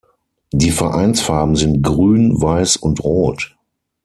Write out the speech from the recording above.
Die Vereinsfarben sind Grün, Weiß und Rot.